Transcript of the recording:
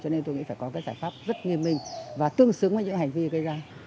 cho nên tôi nghĩ phải có cái giải pháp rất nghiêm minh và tương xứng với những hành vi gây ra